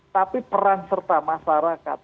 tapi perang serta masyarakat